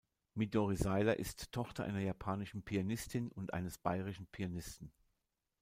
Midori Seiler ist Tochter einer japanischen Pianistin und eines bayrischen Pianisten.